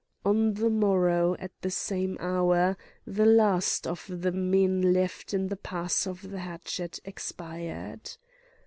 On the morrow, at the same hour, the last of the men left in the Pass of the Hatchet expired.